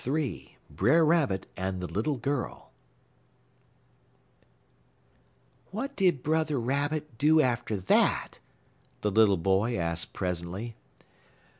III BRER RABBIT AND THE LITTLE GIRL "What did Brother Rabbit do after that?" the little boy asked presently.